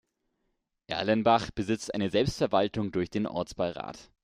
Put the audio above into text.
Erlenbach besitzt eine Selbstverwaltung durch den Ortsbeirat.